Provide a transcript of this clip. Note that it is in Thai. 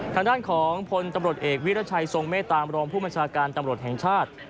ทางด้านของพลตำรวจเอกวิรัชัยทรงเมตตามรองผู้บัญชาการตำรวจแห่งชาติ